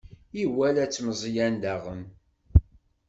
Iwala-tt Meẓyan, daɣen.